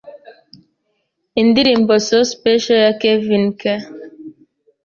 Indirimbo So Special ya Kevin Skaa